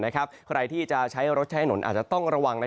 ใครที่จะใช้รถใช้ถนนอาจจะต้องระวัง